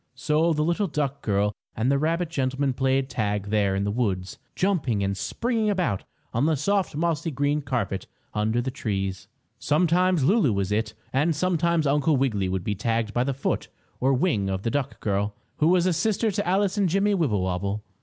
So the little duck girl and the rabbit gentleman played tag there in the woods, jumping and springing about on the soft mossy green carpet under the trees. Sometimes Lulu was "it" and sometimes Uncle Wiggily would be tagged by the foot or wing of the duck girl, who was a sister to Alice and Jimmie Wibblewobble.